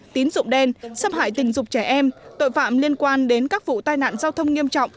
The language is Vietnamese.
tín dụng đen xâm hại tình dục trẻ em tội phạm liên quan đến các vụ tai nạn giao thông nghiêm trọng